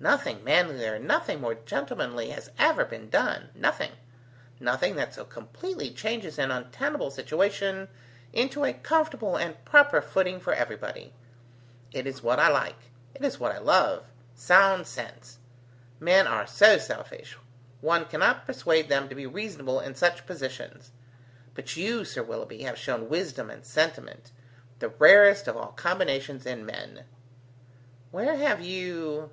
Nothing manlier, nothing more gentlemanly has ever been done: nothing: nothing that so completely changes an untenable situation into a comfortable and proper footing for everybody. It is what I like: it is what I love: sound sense! Men are so selfish: one cannot persuade them to be reasonable in such positions. But you, Sir Willoughby, have shown wisdom and sentiment: the rarest of all combinations in men." "Where have you?